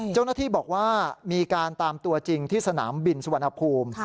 เจ้าหน้าที่บอกว่ามีการตามตัวจริงที่สนามบินสุวรรณภูมิ